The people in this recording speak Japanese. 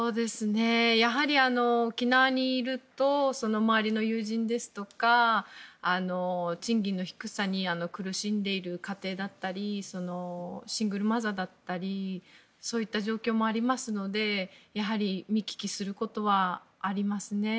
沖縄にいると周りの友人ですとか賃金の低さに苦しんでいる家庭だったりシングルマザーだったりそういった状況もありますのでやはり見聞きすることはありますね。